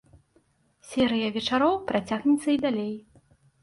Серыя вечароў працягнецца і далей.